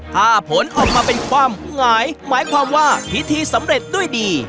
ถ้าผลออกมาเป็นความหงายหมายความว่าพิธีสำเร็จด้วยดี